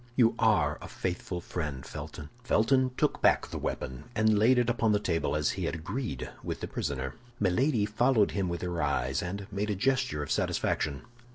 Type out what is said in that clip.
You are a faithful friend, Felton." Felton took back the weapon, and laid it upon the table, as he had agreed with the prisoner. Milady followed him with her eyes, and made a gesture of satisfaction.